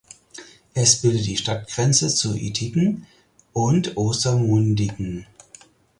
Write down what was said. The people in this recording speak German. Es bildet die Stadtgrenze zu Ittigen und Ostermundigen.